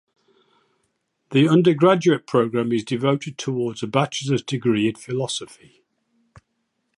The undergraduate program is devoted towards a bachelor's degree in philosophy.